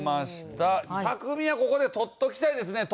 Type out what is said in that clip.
たくみはここで取っておきたいですね。